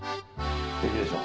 ステキでしょ。